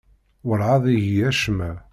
Werɛad igi acemma.